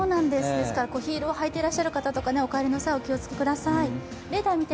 ヒールを履いてらっしゃる方お帰りの際お気をつけください。